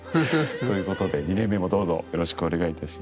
ということで２年目もどうぞよろしくお願いいたします。